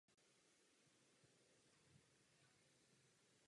Vystudoval Univerzitu Karlovu.